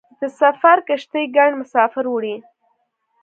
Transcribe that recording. د سفر کښتۍ ګڼ مسافر وړي.